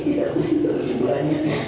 tidak berhenti terus jumlahnya